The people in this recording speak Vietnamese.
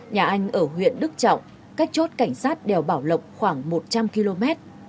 nhà anh ở huyện đức trọng cách chốt cảnh sát đèo bảo lộc khoảng một trăm linh km